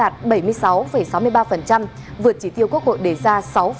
khám phá đạt bảy mươi sáu sáu mươi ba vượt chỉ tiêu quốc hội đề ra sáu sáu mươi ba